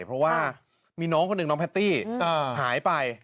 เพราะว่ามีน้องคนหนึ่งน้องแพตตี้หายไป